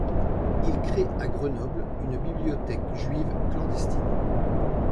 Il crée à Grenoble une bibliothèque juive clandestine.